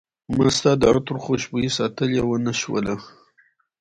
ما ستا د عطرو خوشبوي ساتلی ونه شوله